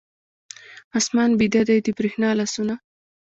آسمان بیده دی، د بریښنا لاسونه